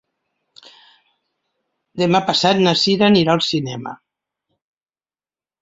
Demà passat na Cira anirà al cinema.